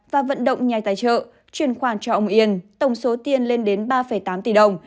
và vận động nhà tài trợ chuyển khoản cho ông yên tổng số tiền lên đến ba tám tỷ đồng